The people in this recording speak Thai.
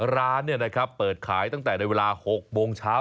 ร้านเนี่ยนะครับเปิดขายตั้งแต่ในเวลา๖โมงเช้า